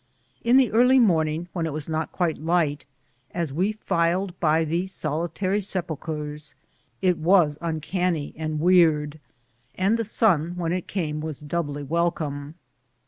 In the early morning, when it was not quite light, as we filed by these solitary sepulchres, it was uncanny and weird, and the sun, when it came, was doubly welcome.